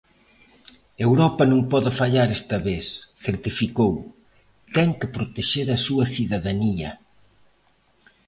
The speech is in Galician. "Europa non pode fallar esta vez", certificou, "ten que protexer á súa cidadanía".